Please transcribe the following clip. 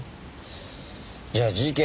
じゃあ事件